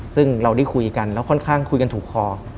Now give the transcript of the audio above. ซึ่งเราได้คุยกันแล้วค่อนข้างคุยกันถูกคอ